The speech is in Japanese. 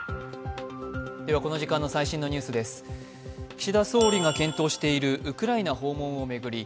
岸田総理が検討しているウクライナ訪問を巡り